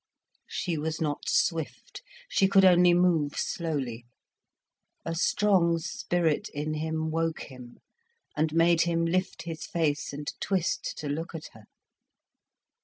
She was not swift, she could only move slowly. A strong spirit in him woke him and made him lift his face and twist to look at her.